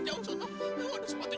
jauh jauh jauh